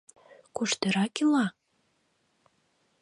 Куштырак ила?